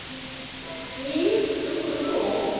えっどこどこ？